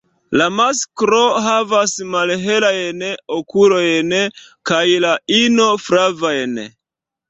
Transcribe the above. La masklo havas malhelajn okulojn kaj la ino flavajn.